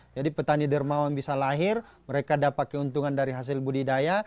jadi petani dermawan bisa lahir mereka dapat keuntungan dari hasil budidaya